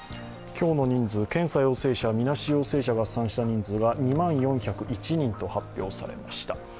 今日の人数、検査陽性者、みなし陽性者合算した人数が２万４０１人と発表されました。